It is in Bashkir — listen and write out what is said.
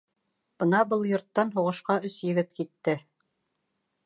Бына был йорттан һуғышҡа өс егет китте.